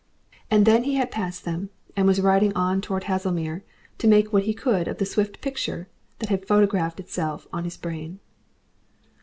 And then he had passed them, and was riding on towards Haslemere to make what he could of the swift picture that had photographed itself on his brain.